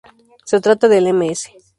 Se trata del Ms.